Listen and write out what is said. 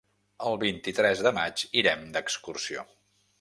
El vint-i-tres de maig irem d'excursió.